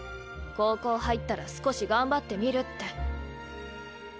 高校入ったら少し頑張ってみるって。